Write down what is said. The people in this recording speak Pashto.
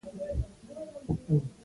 ژبه د ذهن خلاصون دی